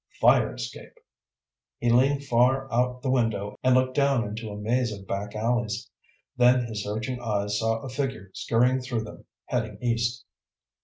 Fire escape! He leaned far out the window and looked down into a maze of back alleys. Then his searching eyes saw a figure scurrying through them, heading east.